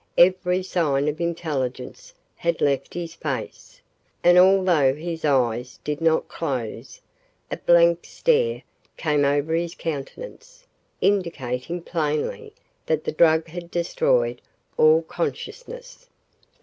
Every sign of intelligence had left his face, and although his eyes did not close, a blank stare came over his countenance, indicating plainly that the drug had destroyed all consciousness.